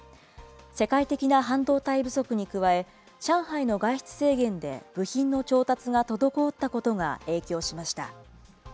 世界的な半導体不足に加え、上海の外出制限で部品の調達が滞ったことが影響しました。